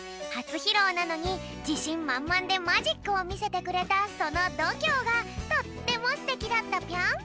ひろうなのにじしんまんまんでマジックをみせてくれたそのどきょうがとってもすてきだったぴょん。